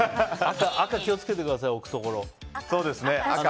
赤、気を付けてください置くところ。